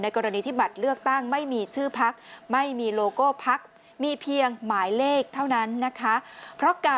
กรณีที่บัตรเลือกตั้งไม่มีชื่อพักไม่มีโลโก้พักมีเพียงหมายเลขเท่านั้นนะคะ